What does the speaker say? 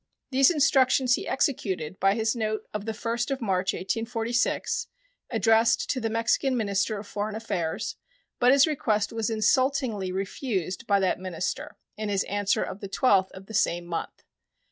These instructions he executed by his note of the 1st of March, 1846, addressed to the Mexican minister of foreign affairs, but his request was insultingly refused by that minister in his answer of the 12th of the same month.